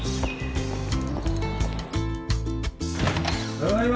ただいま。